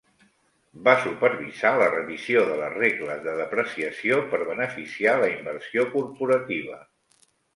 Va supervisar la revisió de les regles de depreciació per beneficiar la inversió corporativa.